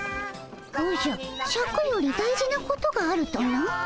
おじゃシャクより大事なことがあるとな？